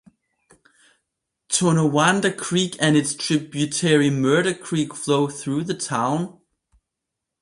Tonawanda Creek and its tributary Murder Creek flow through the town.